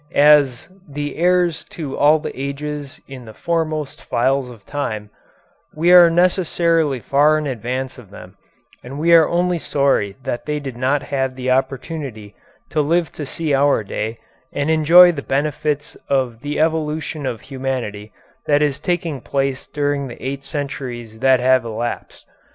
As "the heirs to all the ages in the foremost files of time" we are necessarily far in advance of them, and we are only sorry that they did not have the opportunity to live to see our day and enjoy the benefits of the evolution of humanity that is taking place during the eight centuries that have elapsed.